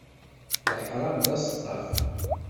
Leḥṛam d aseṭṭaf.